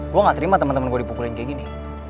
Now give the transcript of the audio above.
gue gak terima temen temen gue dipukulin kayak gini